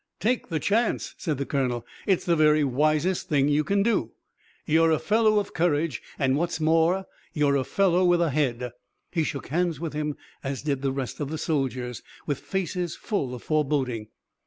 "Take the chance!" said the colonel. "It's the very wisest thing you can do, You're a fellow of courage, and what's more, you're a fellow with a head." He shook hands with him, as did the rest of the soldiers, with faces full of foreboding.